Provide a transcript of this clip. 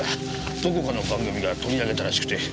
どこかの番組が取り上げたらしくて。